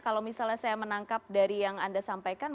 kalau misalnya saya menangkap dari yang anda sampaikan